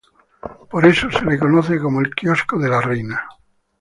Por eso se lo conoce como el Quiosco de la Reina.